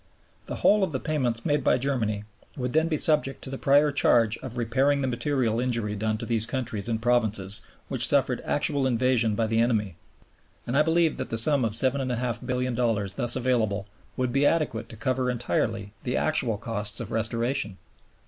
The whole of the payments made by Germany would then be subject to the prior charge of repairing the material injury done to those countries and provinces which suffered actual invasion by the enemy; and I believe that the sum of $7,500,000,000 thus available would be adequate to cover entirely the actual costs of restoration.